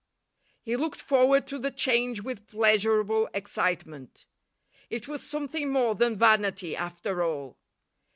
He looked forward to the change with pleasurable excitement. It was something more than vanity after all.